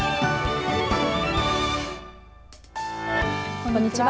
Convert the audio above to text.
こんにちは。